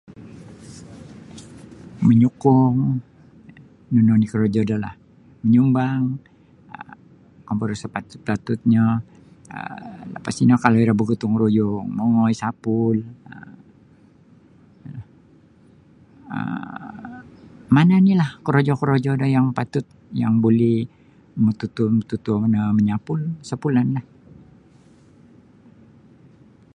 Manyukung nunu oni korojo do lah manyumbang um ombo [unintelligible] sapatuntnyo um lapas tino kalau iro bagutung-ruyung mongoi sapul um mana ni' lah korojo-korojo do yang patut yang buli matatuo-matuo manyapul pun sapulan lah.